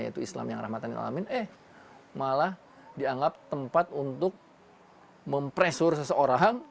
yaitu islam yang rahmatan lil alamin eh malah dianggap tempat untuk mempresur seseorang